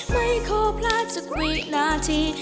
ไม่ขอพลาดสักวินาที